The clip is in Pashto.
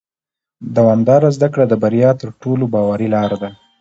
دوامداره زده کړه د بریا تر ټولو باوري لاره ده